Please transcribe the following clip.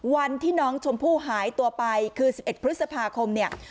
วันที่น้องชมพู่หายตัวไปคือ๑๑พฤษภาคมเนี่ย